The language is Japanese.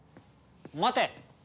待て！